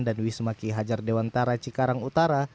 dan wismaki hajar dewantara cikarang utara